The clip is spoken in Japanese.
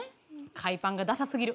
海パンがダサすぎる。